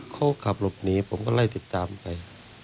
เขาขับหลบหนีผมก็ไล่ติดตามไป